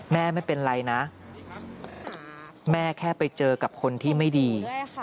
ไม่เป็นไรนะแม่แค่ไปเจอกับคนที่ไม่ดี